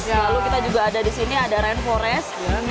lalu kita juga ada di sini ada ren forest